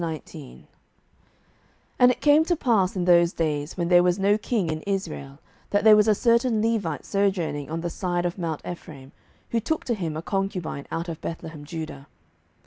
07:019:001 And it came to pass in those days, when there was no king in Israel, that there was a certain Levite sojourning on the side of mount Ephraim, who took to him a concubine out of Bethlehemjudah.